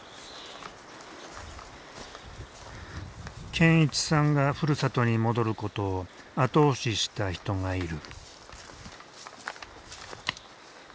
健一さんがふるさとに戻ることを後押しした人がいる。